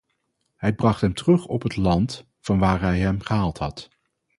Hij bracht hem terug op het land, vanwaar hij hem gehaald had.